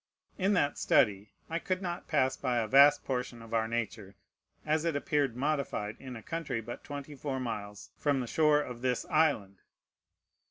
In that study I could not pass by a vast portion of our nature as it appeared modified in a country but twenty four miles from the shore of this island.